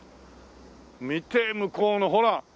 見て向こうのほら！